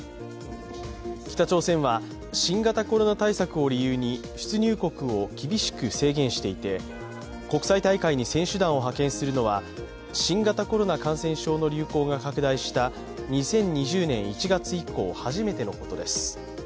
北朝鮮は新型コロナ対策を理由に出入国を厳しく制限していて国際大会に選手団を派遣するのは新型コロナ感染症の流行が拡大した２０２０年１月以降、初めてのことです。